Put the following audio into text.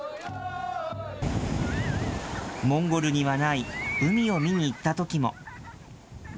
モンゴルにはない海を見に行ったときも。